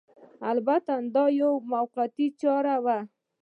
البته دا یوه موقتي چاره وه